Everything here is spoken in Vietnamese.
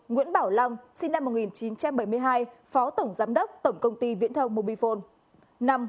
nguyễn bảo long sinh năm một nghìn chín trăm bảy mươi hai phó tổng giám đốc tổng công ty viễn thông mobifone